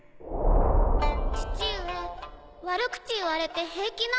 父上悪口言われて平気なの？